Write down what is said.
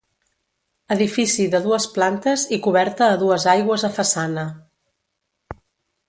Edifici de dues plantes i coberta a dues aigües a façana.